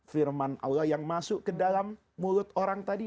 firman allah yang masuk ke dalam mulut orang tadi